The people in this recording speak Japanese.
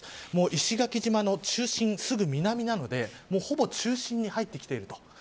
石垣島の中心、すぐ南なのでほぼ中心に入ってきていると。